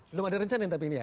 belum ada rencana tapi ini ya